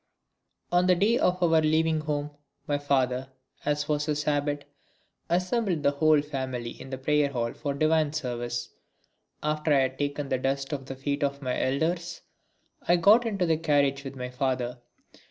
On the day of our leaving home my father, as was his habit, assembled the whole family in the prayer hall for divine service. After I had taken the dust of the feet of my elders I got into the carriage with my father.